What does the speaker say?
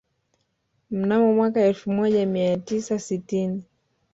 Mnamo mwaka elfu moja mia tisa sitini